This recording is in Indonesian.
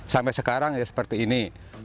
sampai sekarang ya seperti ini